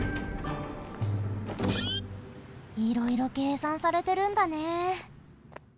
いろいろけいさんされてるんだね。